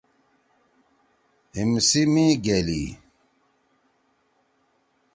ہیِم سی می گَیلی۔